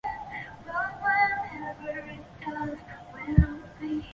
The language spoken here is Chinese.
纺锤体一般产生于早前期消失。